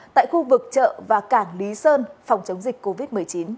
tại khu vực chợ và cảng lý sơn phòng chống dịch covid một mươi chín